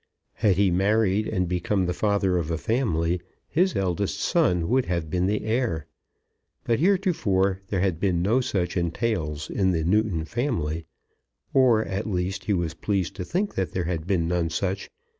Had he married and become the father of a family, his eldest son would have been the heir. But heretofore there had been no such entails in the Newton family; or, at least, he was pleased to think that there had been none such.